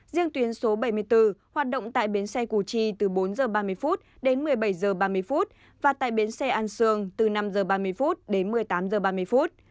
riêng tuyến số bảy mươi bốn hoạt động tại bến xe củ chi từ bốn giờ ba mươi phút đến một mươi bảy giờ ba mươi phút và tại bến xe an sương từ năm giờ ba mươi phút đến một mươi tám giờ ba mươi phút